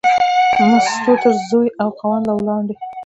مستو تر زوی او خاوند لا وړاندې.